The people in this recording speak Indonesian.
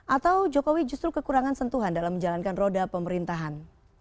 atau jokowi justru kekurangan sentuhan dalam menjalankan roda pemerintahan